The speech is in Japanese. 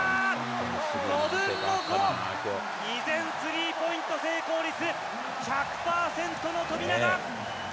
５分の５、依然、スリーポイント成功率１００％の富永。